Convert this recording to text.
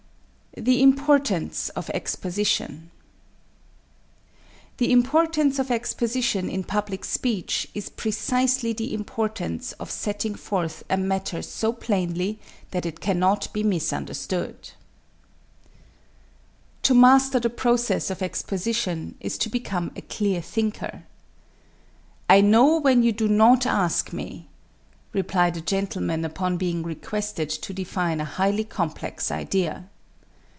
The Importance of Exposition The importance of exposition in public speech is precisely the importance of setting forth a matter so plainly that it cannot be misunderstood. "To master the process of exposition is to become a clear thinker. 'I know, when you do not ask me,' replied a gentleman upon being requested to define a highly complex idea.